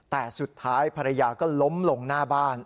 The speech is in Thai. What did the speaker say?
แต่สุดท้ายภรรยาก็ล้มลงหน้าบ้าน